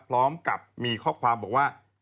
พร้อมกับมีข้อความบอกว่า